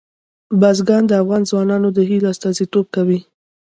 بزګان د افغان ځوانانو د هیلو استازیتوب کوي.